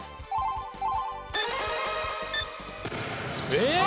えっ！